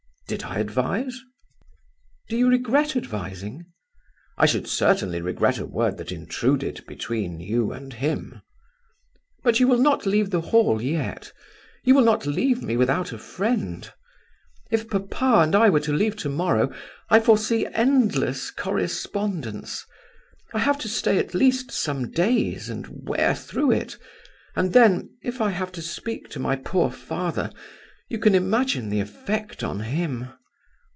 "Did I advise?" "Do you regret advising?" "I should certainly regret a word that intruded between you and him." "But you will not leave the Hall yet? You will not leave me without a friend? If papa and I were to leave to morrow, I foresee endless correspondence. I have to stay at least some days, and wear through it, and then, if I have to speak to my poor father, you can imagine the effect on him."